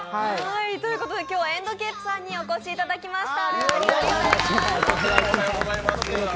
今日はエンドケイプさんにお越しいただきました。